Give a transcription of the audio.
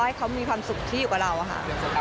ให้เขามีความสุขที่อยู่กับเราค่ะ